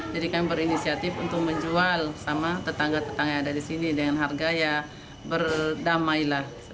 jadi kami berinisiatif untuk menjual sama tetangga tetangga yang ada di sini dengan harga ya berdamai lah